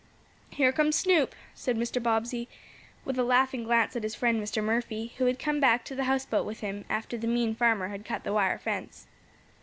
"Here comes Snoop," said Mr. Bobbsey, with a laughing glance at his friend Mr. Murphy, who had come back to the houseboat with him, after the mean farmer had cut the wire fence.